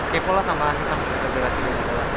kekulah sama sistem interpelasi ini